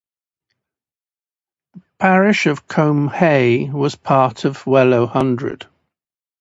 The parish of Combe Hay was part of the Wellow Hundred.